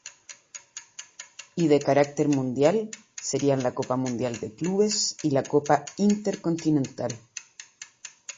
Y de carácter mundial serían la Copa Mundial de Clubes y la Copa Intercontinental.